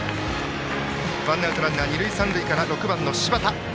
ワンアウトランナー、二塁三塁から６番、柴田。